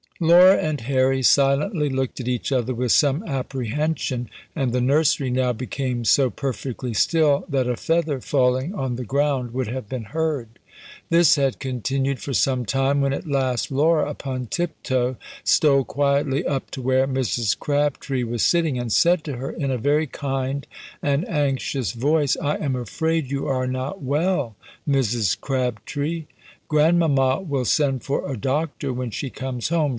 Laura and Harry silently looked at each other with some apprehension, and the nursery now became so perfectly still, that a feather falling on the ground would have been heard. This had continued for some time, when at last Laura upon tiptoe stole quietly up to where Mrs. Crabtree was sitting, and said to her, in a very kind and anxious voice, "I am afraid you are not well, Mrs. Crabtree! Grandmama will send for a doctor when she comes home.